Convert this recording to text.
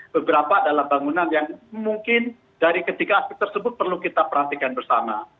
beberapa adalah bangunan yang mungkin dari ketiga aspek tersebut perlu kita perhatikan bersama